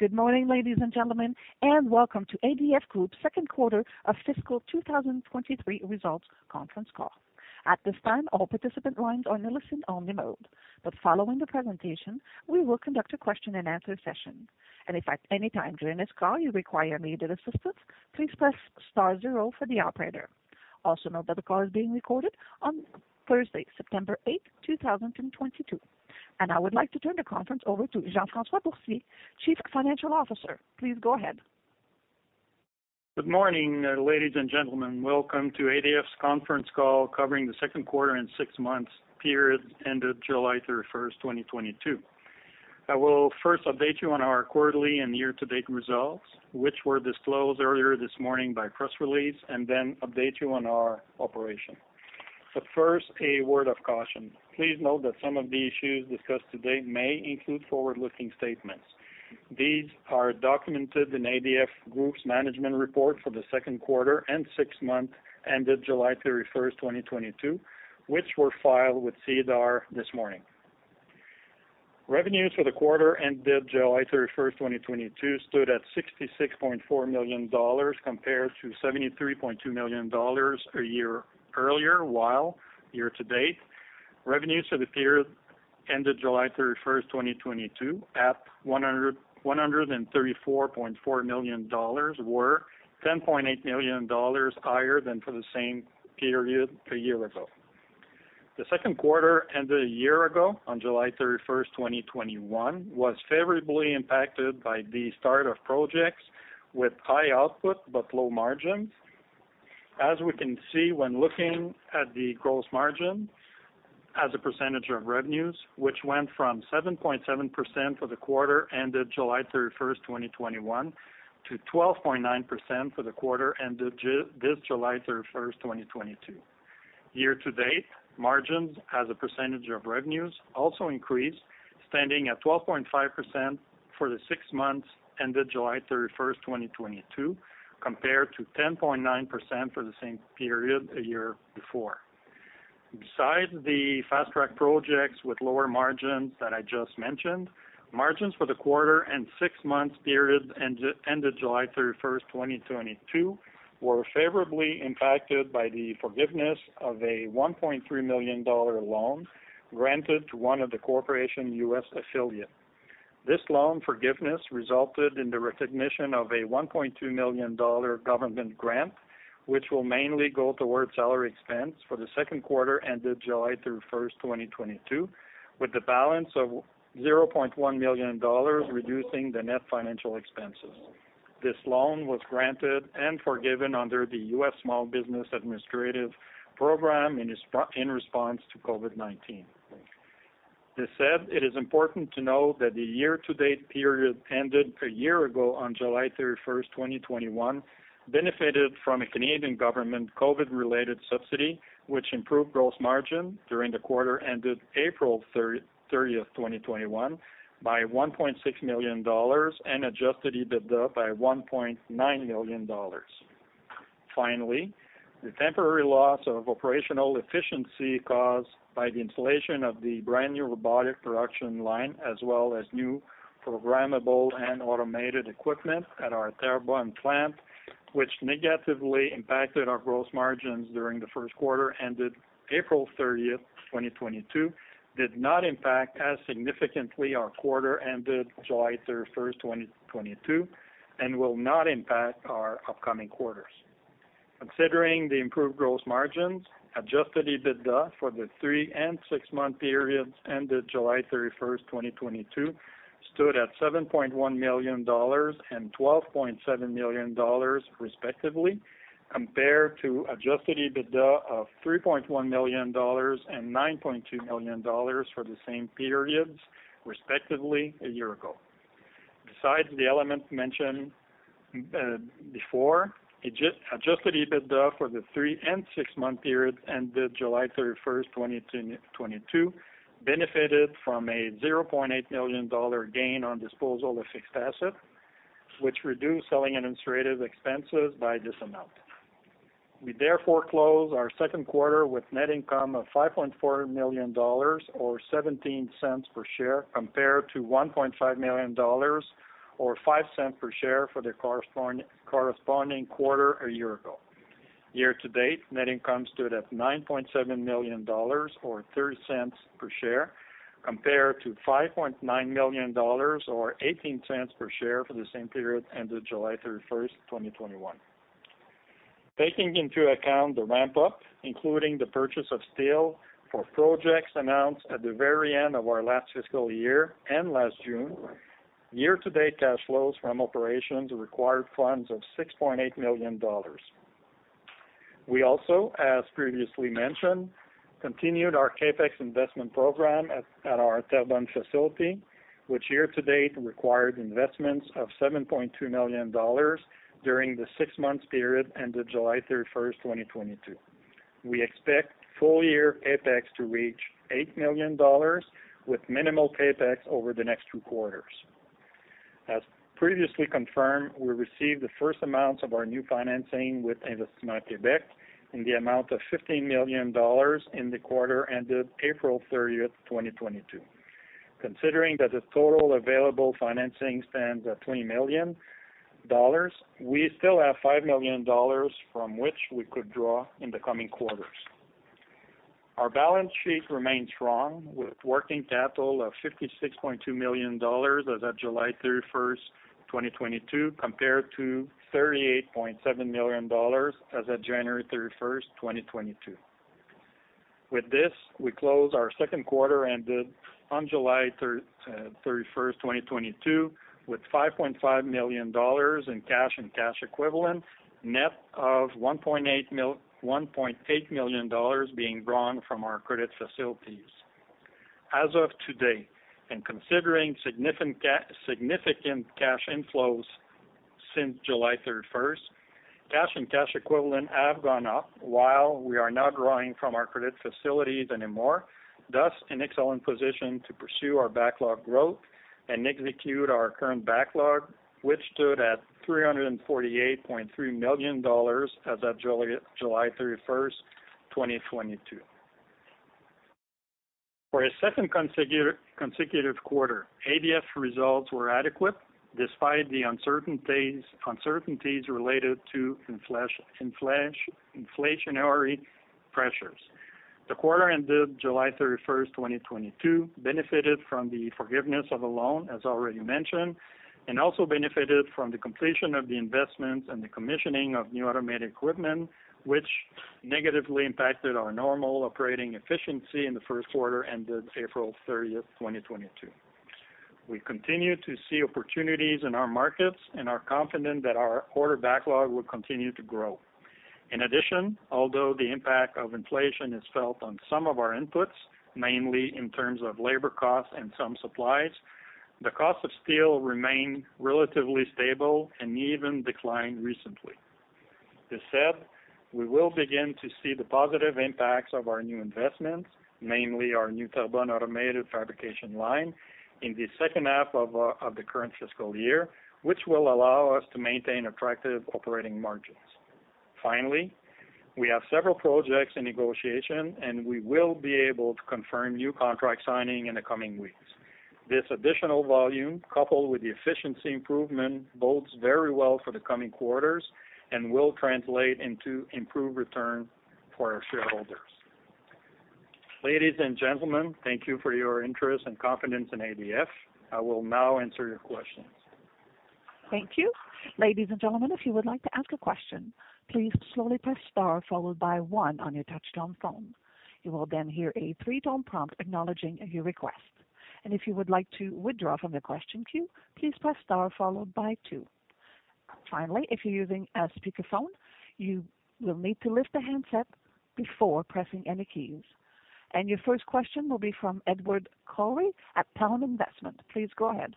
Good morning, ladies and gentlemen, and welcome to ADF Group's second quarter of fiscal 2023 results conference call. At this time, all participant lines are in a listen-only mode. Following the presentation, we will conduct a question-and-answer session. If at any time during this call you require immediate assistance, please press star zero for the operator. Also note that the call is being recorded on Thursday, September 8, 2022. I would like to turn the conference over to Jean-François Boursier, Chief Financial Officer. Please go ahead. Good morning, ladies and gentlemen. Welcome to ADF's conference call covering the second quarter and six-month period ended July 31st, 2022. I will first update you on our quarterly and year-to-date results, which were disclosed earlier this morning by press release, and then update you on our operations. First, a word of caution. Please note that some of the issues discussed today may include forward-looking statements. These are documented in ADF Group's management report for the second quarter and six-month ended July 31st, 2022, which were filed with SEDAR this morning. Revenues for the quarter ended July 31st, 2022 stood at CAD 66.4 million compared to CAD 73.2 million a year earlier, while year to date, revenues for the period ended July 31st, 2022 at 134.4 million dollars were 10.8 million dollars higher than for the same period a year ago. The second quarter ended a year ago on July 31st, 2021 was favorably impacted by the start of projects with high output but low margins. As we can see when looking at the gross margin as a percentage of revenues, which went from 7.7% for the quarter ended July 31st, 2021 to 12.9% for the quarter ended this July 31st, 2022. Year to date, margins as a percentage of revenues also increased, standing at 12.5% for the six months ended July 31st, 2022, compared to 10.9% for the same period a year before. Besides the fast-track projects with lower margins that I just mentioned, margins for the quarter and six months period ended July 31st, 2022 were favorably impacted by the forgiveness of a $1.3 million loan granted to one of the Corporation's U.S. affiliate. This loan forgiveness resulted in the recognition of a $1.2 million government grant, which will mainly go toward salary expense for the second quarter ended July 31st, 2022, with a balance of $0.1 million reducing the net financial expenses. This loan was granted and forgiven under the U.S. Small Business Administrative Program in response to COVID-19. This said, it is important to note that the year-to-date period ended a year ago on July 31st, 2021 benefited from a Canadian government COVID-related subsidy, which improved gross margin during the quarter ended April 30th, 2021 by 1.6 million dollars and adjusted EBITDA by 1.9 million dollars. Finally, the temporary loss of operational efficiency caused by the installation of the brand-new robotic production line as well as new programmable and automated equipment at our Terrebonne plant, which negatively impacted our gross margins during the first quarter ended April 30th, 2022, did not impact as significantly our quarter ended July 31st, 2022, and will not impact our upcoming quarters. Considering the improved gross margins, adjusted EBITDA for the three-month and six-month periods ended July 31st, 2022 stood at 7.1 million dollars and 12.7 million dollars respectively, compared to adjusted EBITDA of 3.1 million dollars and 9.2 million dollars for the same periods, respectively a year ago. Besides the elements mentioned before, adjusted EBITDA for the three-month and six-month period ended July 31st, 2022 benefited from a 0.8 million dollar gain on disposal of fixed assets, which reduced selling and administrative expenses by this amount. We therefore close our second quarter with net income of 5.4 million dollars or 0.17 per share, compared to 1.5 million dollars or 0.05 per share for the corresponding quarter a year ago. Year-to-date, net income stood at 9.7 million dollars or 0.30 per share, compared to 5.9 million dollars or 0.18 per share for the same period ended July 31st, 2021. Taking into account the ramp-up, including the purchase of steel for projects announced at the very end of our last fiscal year and last June, year-to-date cash flows from operations required funds of 6.8 million dollars. We also, as previously mentioned, continued our CapEx investment program at our Terrebonne facility, which year-to-date required investments of 7.2 million dollars during the six months period ended July 31st, 2022. We expect full-year CapEx to reach 8 million dollars with minimal CapEx over the next two quarters. As previously confirmed, we received the first amounts of our new financing with Investissement Québec in the amount of 15 million dollars in the quarter ended April 30th, 2022. Considering that the total available financing stands at 20 million dollars, we still have 5 million dollars from which we could draw in the coming quarters. Our balance sheet remains strong, with working capital of 56.2 million dollars as of July 31st, 2022, compared to 38.7 million dollars as of January 31st, 2022. With this, we close our second quarter ended on July 31st, 2022, with 5.5 million dollars in cash and cash equivalents, net of 1.8 million dollars being drawn from our credit facilities. As of today, considering significant cash inflows since July 31st, cash and cash equivalent have gone up while we are no longer drawing from our credit facilities, thus in an excellent position to pursue our backlog growth and execute our current backlog, which stood at 348.3 million dollars as of July 31st, 2022. For a second consecutive quarter, ADF results were adequate despite the uncertainties related to inflationary pressures. The quarter ended July 31st, 2022, benefited from the forgiveness of the loan, as already mentioned, and also benefited from the completion of the investments and the commissioning of new automated equipment, which negatively impacted our normal operating efficiency in the first quarter ended April 30th, 2022. We continue to see opportunities in our markets and are confident that our order backlog will continue to grow. In addition, although the impact of inflation is felt on some of our inputs, mainly in terms of labor costs and some supplies, the cost of steel remained relatively stable and even declined recently. This said, we will begin to see the positive impacts of our new investments, mainly our new Turbofab automated fabrication line, in the second half of the current fiscal year, which will allow us to maintain attractive operating margins. Finally, we have several projects in negotiation, and we will be able to confirm new contract signing in the coming weeks. This additional volume, coupled with the efficiency improvement, bodes very well for the coming quarters and will translate into improved return for our shareholders. Ladies and gentlemen, thank you for your interest and confidence in ADF. I will now answer your questions. Thank you. Ladies and gentlemen, if you would like to ask a question, please slowly press star followed by one on your touch-tone phone. You will then hear a three-tone prompt acknowledging your request. If you would like to withdraw from the question queue, please press star followed by two. Finally, if you're using a speakerphone, you will need to lift the handset before pressing any keys. Your first question will be from Edward Corry at Talon Investment. Please go ahead.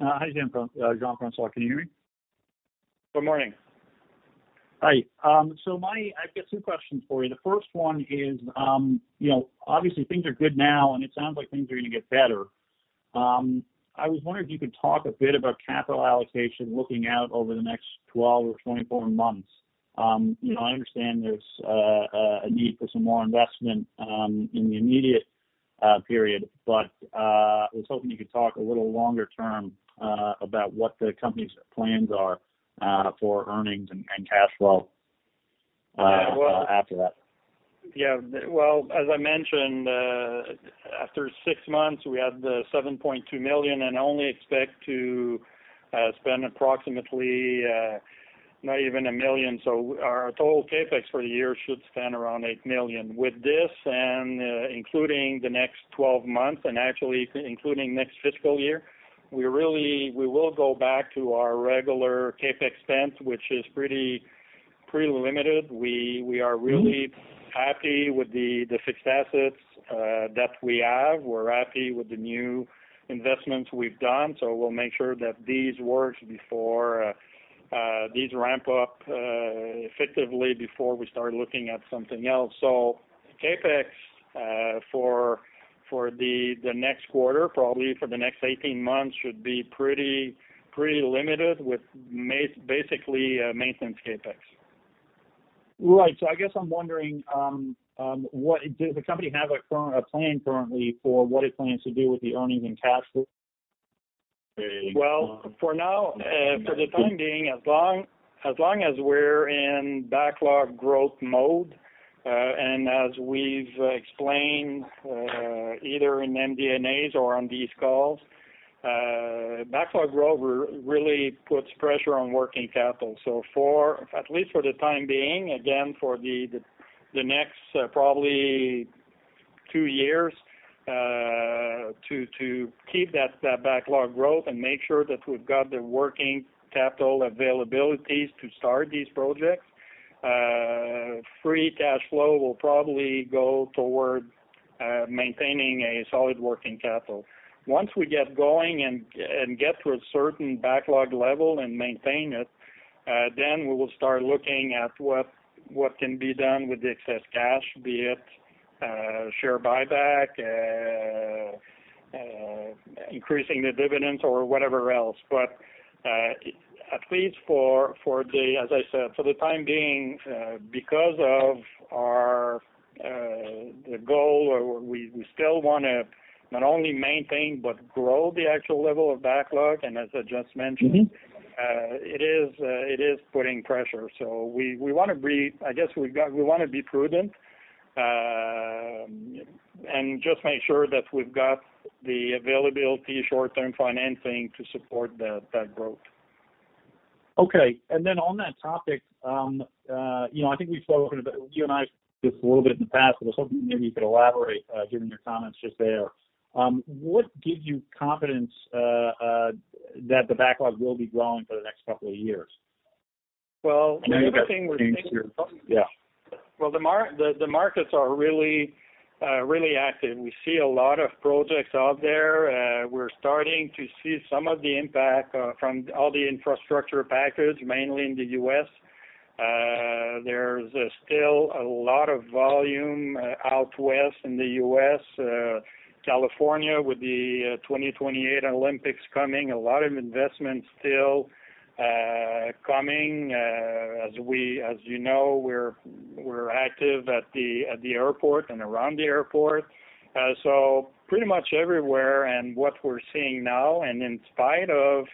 Hi, Jean-François. Can you hear me? Good morning. Hi. I've got two questions for you. The first one is, you know, obviously, things are good now, and it sounds like things are gonna get better. I was wondering if you could talk a bit about capital allocation looking out over the next 12 or 24 months. You know, I understand there's a need for some more investment in the immediate period, but I was hoping you could talk a little longer term about what the company's plans are for earnings and cash flow after that. Yeah. Well, as I mentioned, after six months, we have 7.2 million and only expect to spend approximately not even 1 million. Our total CapEx for the year should stand around 8 million. With this, including the next 12 months and actually including next fiscal year, we will go back to our regular CapEx spend, which is pretty limited. We are really happy with the fixed assets that we have. We're happy with the new investments we've done. We'll make sure that these work before these ramp up effectively before we start looking at something else. CapEx for the next quarter, probably for the next 18 months, should be pretty limited, basically maintenance CapEx. Right. I guess I'm wondering, does the company have a plan currently for what it plans to do with the earnings and cash flow? Well, for now, for the time being, as long as we're in backlog growth mode, and as we've explained, either in MD&As or on these calls, backlog growth really puts pressure on working capital. For at least for the time being, again, for the next probably two years, to keep that backlog growth and make sure that we've got the working capital availabilities to start these projects, free cash flow will probably go toward maintaining a solid working capital. Once we get going and get to a certain backlog level and maintain it, then we will start looking at what can be done with the excess cash, be it share buyback, increasing the dividends or whatever else. at least for the time being, as I said, because of our goal where we still wanna not only maintain but grow the actual level of backlog, and as I just mentioned. Mm-hmm. It is putting pressure. We wanna be prudent and just make sure that we've got the availability short-term financing to support that growth. Okay. On that topic, you know, I think we've spoken about you and I just a little bit in the past, but I was hoping maybe you could elaborate, given your comments just there. What gives you confidence that the backlog will be growing for the next couple of years? Well, everything we're thinking. Yeah. Well, the markets are really active. We see a lot of projects out there. We're starting to see some of the impact from all the infrastructure package, mainly in the U.S. There's still a lot of volume out west in the U.S., California with the 2028 Olympics coming. A lot of investments still coming, as you know, we're active at the airport and around the airport. Pretty much everywhere. What we're seeing now, and in spite of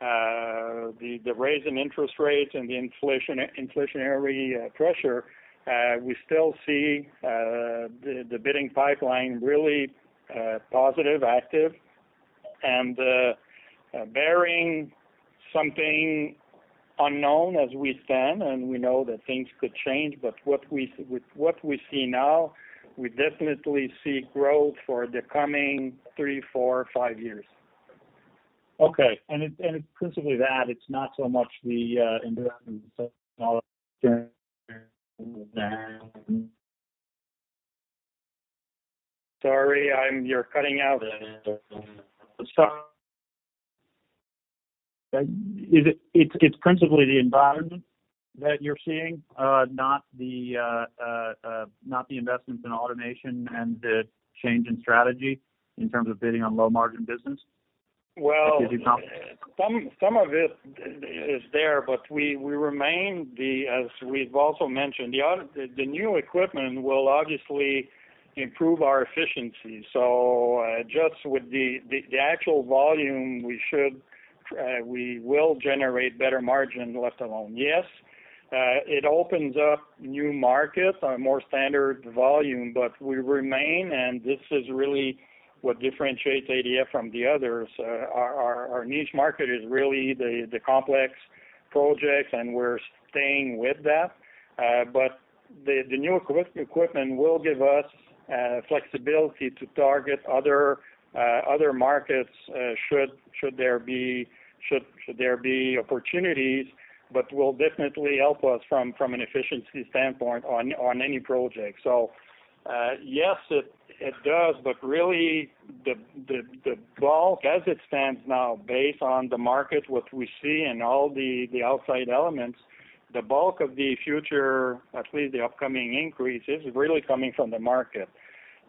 the rise in interest rates and the inflationary pressure, we still see the bidding pipeline really positive, active. Barring something unknown as we stand, and we know that things could change, but what we see now, we definitely see growth for the coming three, four, five years. Okay. It's principally that. It's not so much the investment. Sorry, you're cutting out. It's principally the environment that you're seeing, not the investments in automation and the change in strategy in terms of bidding on low margin business? Well- That gives you confidence. Some of it is there, but we remain. As we've also mentioned, the new equipment will obviously improve our efficiency. Just with the actual volume we will generate better margins let alone. Yes, it opens up new markets on a more standard volume, but we remain, and this is really what differentiates ADF from the others. Our niche market is really the complex projects, and we're staying with that. The new equipment will give us flexibility to target other markets should there be opportunities, but will definitely help us from an efficiency standpoint on any project. Yes, it does, but really the bulk as it stands now based on the market, what we see and all the outside elements, the bulk of the future, at least the upcoming increase, is really coming from the market.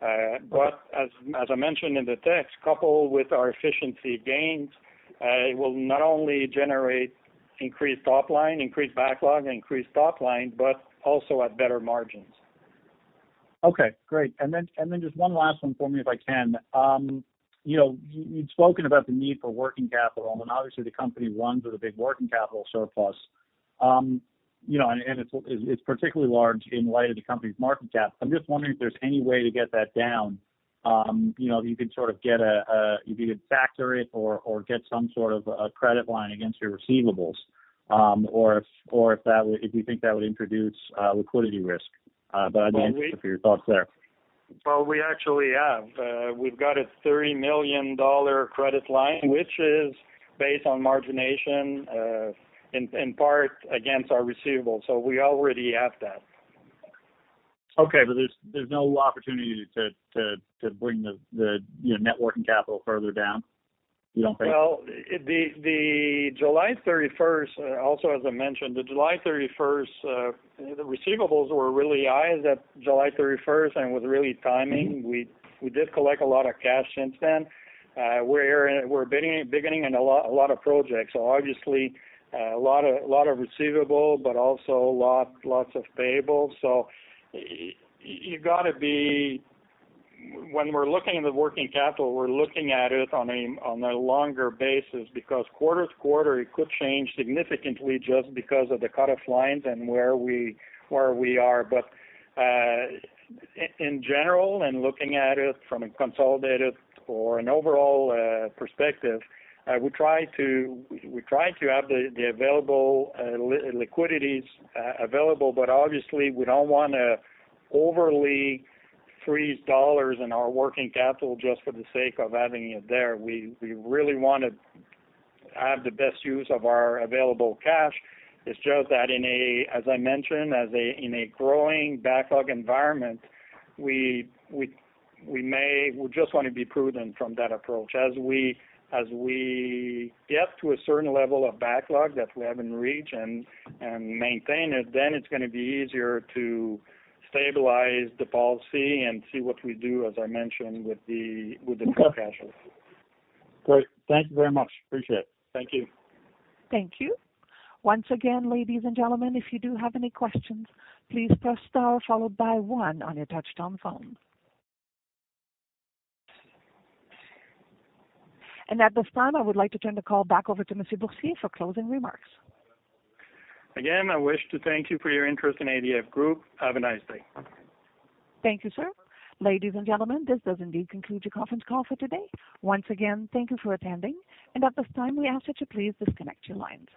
But as I mentioned in the text, coupled with our efficiency gains, it will not only generate increased top line, increased backlog, increased top line, but also at better margins. Okay, great. Just one last one for me, if I can. You know, you'd spoken about the need for working capital, and obviously the company runs with a big working capital surplus. You know, and it's particularly large in light of the company's market cap. I'm just wondering if there's any way to get that down. You know, you could factor it or get some sort of a credit line against your receivables, or if you think that would introduce liquidity risk. I'm interested in your thoughts there. Well, we've got a 30 million dollar credit line, which is based on margining, in part against our receivables, so we already have that. Okay. There's no opportunity to bring the, you know, net working capital further down, you don't think? The July 31st, also as I mentioned, the receivables were really high at July 31st, and it was really timing. We did collect a lot of cash since then. We're bidding in a lot of projects. Obviously, a lot of receivables, but also lots of payables. When we're looking at the working capital, we're looking at it on a longer basis because quarter to quarter it could change significantly just because of the cut-off lines and where we are. In general, and looking at it from a consolidated or an overall perspective, we try to have the available liquidity available, but obviously we don't wanna overly freeze dollars in our working capital just for the sake of having it there. We really wanna have the best use of our available cash. It's just that in a, as I mentioned, as a, in a growing backlog environment, we may. We just wanna be prudent from that approach. As we get to a certain level of backlog that we have in reach and maintain it, then it's gonna be easier to stabilize the policy and see what we do, as I mentioned, with the free cash flow. Great. Thank you very much. Appreciate it. Thank you. Thank you. Once again, ladies and gentlemen, if you do have any questions, please press star followed by one on your touchtone phone. At this time, I would like to turn the call back over to Monsieur Boursier for closing remarks. Again, I wish to thank you for your interest in ADF Group. Have a nice day. Thank you, sir. Ladies and gentlemen, this does indeed conclude your conference call for today. Once again, thank you for attending, and at this time, we ask that you please disconnect your lines.